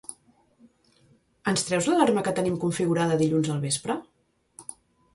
Ens treus l'alarma que tenim configurada dilluns al vespre?